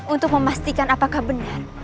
untuk memastikan apakah benar